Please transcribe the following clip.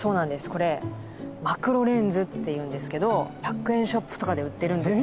これ「マクロレンズ」っていうんですけど１００円ショップとかで売ってるんですよ。